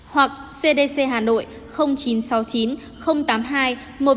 hoặc cdc hà nội chín trăm sáu mươi chín tám mươi hai một trăm một mươi năm